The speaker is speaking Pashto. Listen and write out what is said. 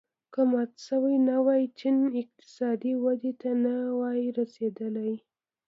که مات شوی نه وای چین اقتصادي ودې ته نه وای رسېدلی.